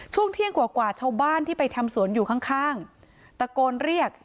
ช่วงเที่ยงกว่ากว่าชาวบ้านที่ไปทำสวนอยู่ข้างข้างตะโกนเรียก